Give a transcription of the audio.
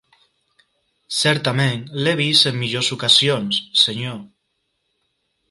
Certament l'he vist en millors ocasions, senyor.